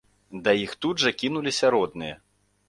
Да іх тут жа кінуліся родныя.